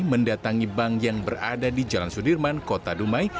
mendatangi bank yang berada di jalan sudirman kota dumai